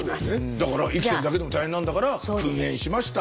だから生きてるだけでも大変なんだからくん煙しました。